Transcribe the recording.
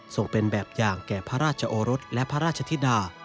ส่งเป็นแบบอย่างแก่พระราชโอรสและพระราชธิดา